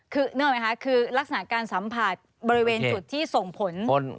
คือนึกออกไหมคะคือลักษณะการสัมผัสบริเวณจุดที่ส่งผล